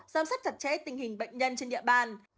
giám sát chặt chẽ tình hình bệnh nhân trên địa bàn